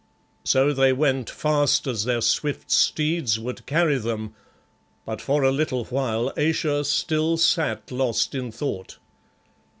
So they went fast as their swift steeds would carry them, but for a little while Ayesha still sat lost in thought.